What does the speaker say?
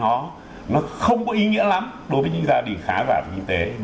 nó có ý nghĩa là nó không có ý nghĩa là nó không có ý nghĩa là nó không có ý nghĩa là nó không có ý nghĩa